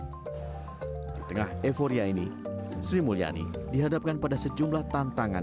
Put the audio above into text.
di tengah euforia ini sri mulyani dihadapkan pada sejumlah tantangan